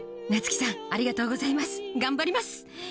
夏木さんありがとうございます頑張ります！